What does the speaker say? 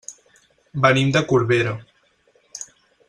Venim de Corbera.